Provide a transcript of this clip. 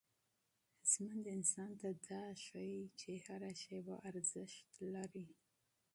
ژوند انسان ته دا ښيي چي هره شېبه ارزښت لري.